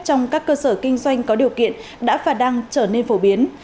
trong các cơ sở kinh doanh có điều kiện đã và đang trở nên phổ biến